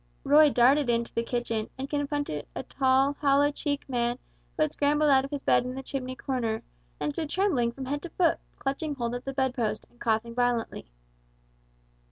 Roy darted into the kitchen, and confronted a tall, hollow cheeked man who had scrambled out of his bed in the chimney corner, and stood trembling from head to foot clutching hold of the bed post, and coughing violently.